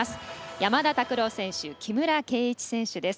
山田拓朗選手木村敬一選手です。